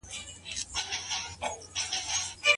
د دلارام په ښوونځي کي مي خپل زوی شامل کړی دی